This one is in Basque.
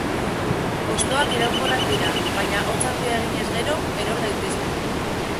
Hostoak iraunkorrak dira, baina hotz handia eginez gero, eror daitezke.